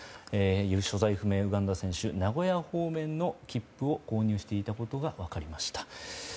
所在不明のウガンダ選手名古屋方面の切符を購入していたことが分かりました。